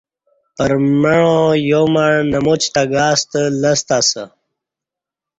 پرمع یامع نماچ تہ گاستہ لستہ اسہ